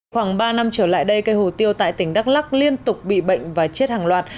khoảng ba năm trở lại đây cây hồ tiêu tại tỉnh đắk lắc liên tục bị bệnh và chết hàng loạt